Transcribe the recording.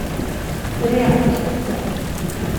Riɣ-k.